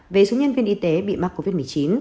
về số nhân viên y tế bị mắc covid một mươi chín